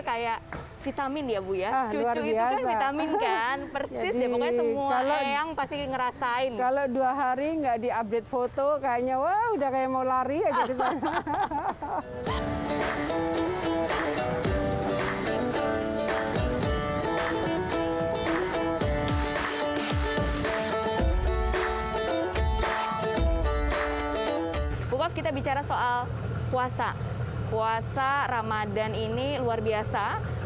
kayak vitamin ya bu ya cucu itu vitamin kan persis dia pokoknya semua yang pasti ngerasain kalau dua hari nggak diupdate foto kayaknya wah udah kayak mau lari aja